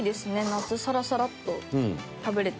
夏サラサラッと食べられて。